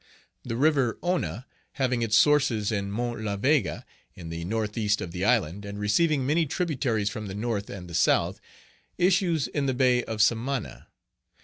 The River Youna, having its sources in Mount La Vega, in the northeast of the island, and receiving many tributaries from the north and the south, issues in the Bay of Samana.